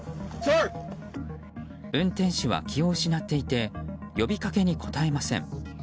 運転手は気を失っていて呼びかけに応えません。